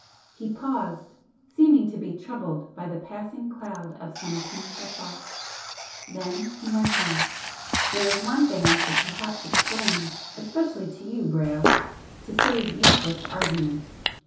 He paused, seeming to be troubled by the passing cloud of some painful thought then he went on "There is one thing I should perhaps explain, especially to you, Brayle, to save useless argument.